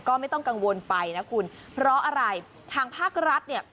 ก็ไม่ต้องกังวลไปนะคุณเพราะอะไรทางภาครัฐเนี่ย